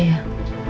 tiga dua satu